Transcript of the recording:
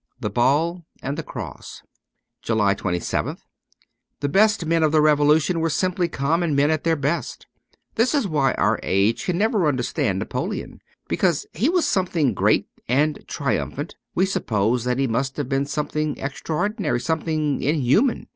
' The Ball and the Cross.' 230 JULY 27th THE best men of the Revolution were simply common men at their best. This is why our age can never understand Napoleon. Because he was something great and triumphant, we suppose that he must have been something extraordinary, something inhuman.